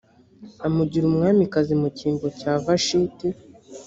amugira umwamikazi mu cyimbo cya vashiti